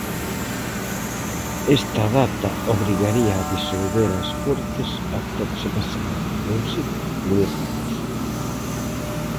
Esta data obrigaría a disolver as Cortes a próxima semana, non si, Luís Ramos?